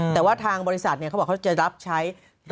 แต่ว่าทางบริษัทเขาบอกเขาจะรับใช้